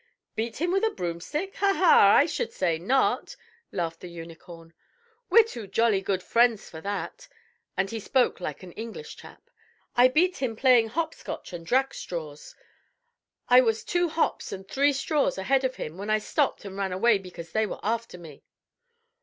"Beat him with a broomstick? Ha! Ha! I should say not!" laughed the Unicorn. "We're too jolly good friends for that," and he spoke like an English chap. "I beat him playing hop Scotch and Jack straws. I was two hops and three straws ahead of him when I stopped and ran away because they were after me."